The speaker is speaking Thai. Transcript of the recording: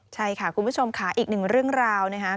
ใช่ค่ะคุณผู้ชมค่ะอีกหนึ่งเรื่องราวนะครับ